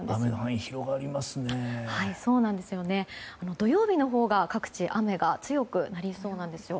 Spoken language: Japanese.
土曜日のほうが各地雨が強くなりそうなんですよ。